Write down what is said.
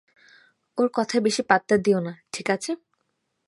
ওর কথায় বেশি পাত্তা দিয়ো না, ঠিক আছে?